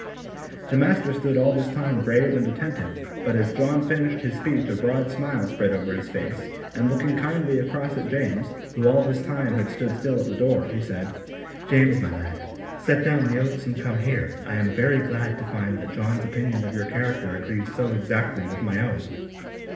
The master stood all this time grave and attentive, but as John finished his speech a broad smile spread over his face, and looking kindly across at James, who all this time had stood still at the door, he said, "James, my lad, set down the oats and come here; I am very glad to find that John's opinion of your character agrees so exactly with my own.